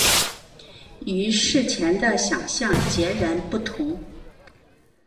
与事前的想像截然不同